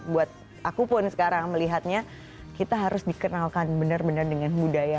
buat aku pun sekarang melihatnya kita harus dikenalkan benar benar dengan budaya